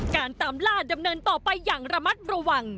การตามล่าดำเนินต่อไปอย่างระมัดระวัง